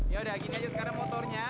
yaudah gini aja sekarang motornya